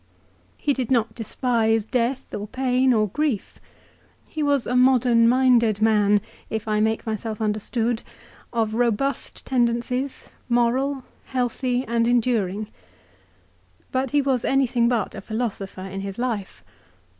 He did not despise death, or pain, or grief. He was a modern minded man, if I make myself understood, of robust tendencies moral, healthy, and enduring. But he was anything but a philosopher in his life.